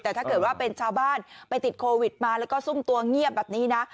แต่ถ้าเกิดว่าเป็นชาวบ้านไปติดโควิดมาแล้วก็ซุ่มตัวเงียบแบบนี้นะ